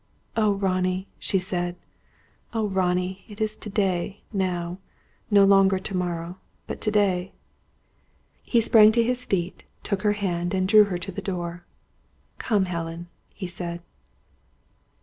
"Oh, Ronnie," she said; "oh, Ronnie! It is to day, now! No longer to morrow but to day!" He sprang to his feet, took her hand, and drew her to the door. "Come, Helen," he said.